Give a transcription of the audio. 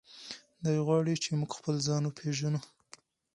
دی غواړي چې موږ خپل ځان وپیژنو.